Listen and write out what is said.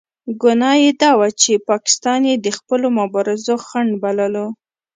ګناه یې دا وه چې پاکستان یې د خپلو مبارزو خنډ بللو.